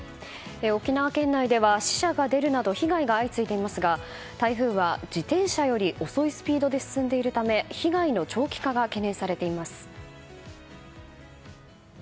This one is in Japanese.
沖縄県内では死者が出るなど被害が相次いでいますが台風は自転車より遅いスピードで進んでいるため被害の長期化が懸念されています。